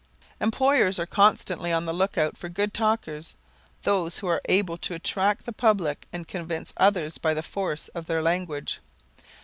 Employers are constantly on the lookout for good talkers, those who are able to attract the public and convince others by the force of their language.